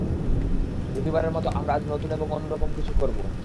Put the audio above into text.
প্রতিবারের মতো আমরা আজ নতুন এবং অন্য রকম কিছু করবো।